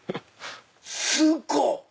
すごっ！